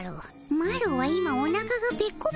マロは今おなかがペッコペコなのじゃ。